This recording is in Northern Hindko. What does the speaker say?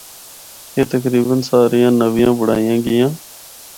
اے تقریبا ساریاں نوّیاں بنڑائیاں گیاں۔